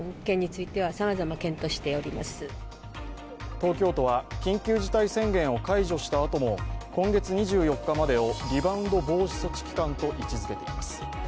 東京都は緊急事態宣言を解除したあとも今月２４日までをリバウンド防止措置期間と位置づけています。